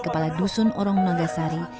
kepala dusun orang nonggasari